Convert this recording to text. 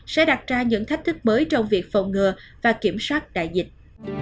sẽ đặt ra những thách thức mới trong việc phòng ngừa và kiểm soát đại dịch